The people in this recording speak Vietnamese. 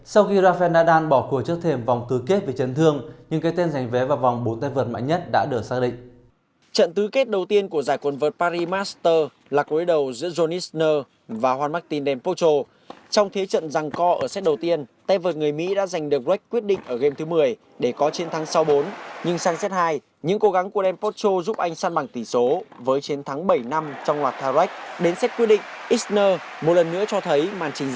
xin kính chào và hẹn gặp lại